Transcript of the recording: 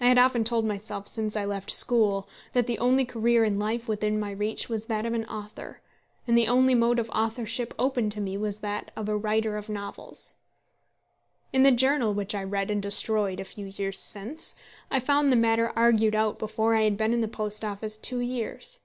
I had often told myself since I left school that the only career in life within my reach was that of an author, and the only mode of authorship open to me that of a writer of novels. In the journal which I read and destroyed a few years since, I found the matter argued out before I had been in the Post Office two years.